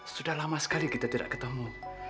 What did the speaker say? sudah lama sekali kita tidak ketemu